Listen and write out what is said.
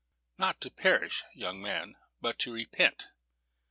"Not to perish, young man, but to repent.